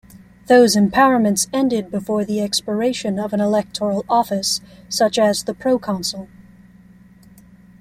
Those empowerments ended before the expiration of an electoral office, such as the Proconsul.